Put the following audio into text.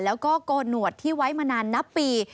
แล้วก็โกนหนวดที่ไว้มานานนับปี